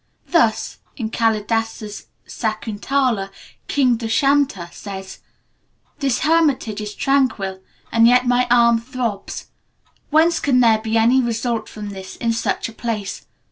Thus, in Kalidasa's Sakuntala, King Dushyanta says: "This hermitage is tranquil, and yet my arm throbs. Whence can there be any result from this in such a place?